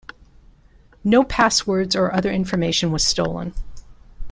No passwords or other information was stolen.